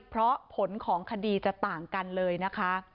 เพราะผลของคดีจะต่างกันเลยนะคะ